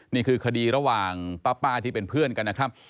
นี่คือคดีระหว่างป้าที่เป็นเพื่อนกันนะครับ